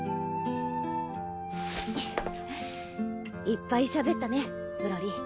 いっぱいしゃべったねブロリー。